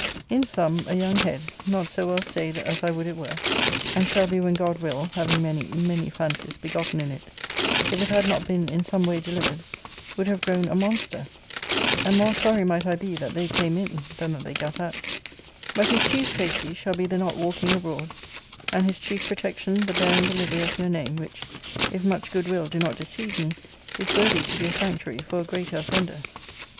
In sum, a young head, not so well stayed as I would it were, and shall be when God will, having many, many fancies begotten in it, if it had not been in some way delivered, would have grown a monster, and more sorry might I be that they came in than that they gat out But his chief safety shall be the not walking abroad, and his chief protection the bearing the livery of your name, which, if much goodwill do not deceive me, is worthy to be a sanctuary for a greater offender.